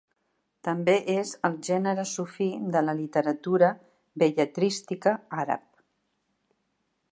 També és el gènere sufí de la literatura belletrística àrab.